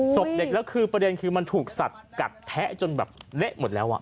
ศพเด็กแล้วคือประเด็นคือมันถูกสัตว์กัดแทะจนแบบเละหมดแล้ว